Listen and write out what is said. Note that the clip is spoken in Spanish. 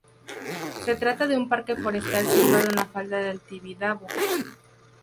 Se trata de un parque forestal, situado en la falda del Tibidabo.